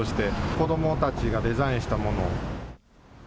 子どもたちがデザインしたもの。